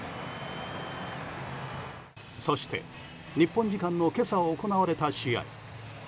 そして日本時間の今朝行われた試合。